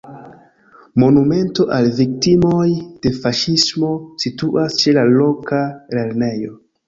Monumento al viktimoj de faŝismo situas ĉe la loka lernejo.